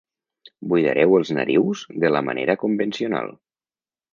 Buidareu els narius de la manera convencional.